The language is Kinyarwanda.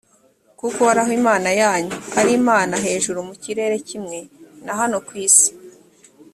kuko uhoraho, imana yanyu, ari imana hejuru mu kirere kimwe na hano ku isi.